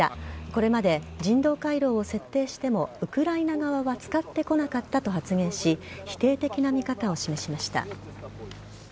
これまで人道回廊を設定してもウクライナ側は使ってなかったと発言し否定的な発言をしましました。